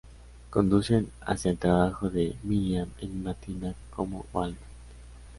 Conducen hacia el trabajo de Miriam en una tienda como Wal-Mart.